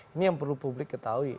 ini yang perlu publik ketahui